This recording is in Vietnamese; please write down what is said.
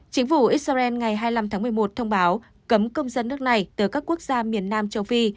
chính phủ israel ngày hai mươi năm tháng một mươi một thông báo cấm công dân nước này từ các quốc gia miền nam châu phi